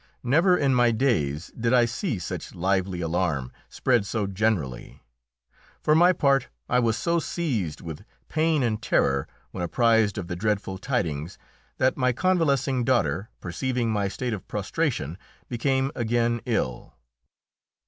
Never in my days did I see such lively alarm spread so generally. For my part I was so seized with pain and terror when apprised of the dreadful tidings that my convalescing daughter, perceiving my state of prostration, became again ill.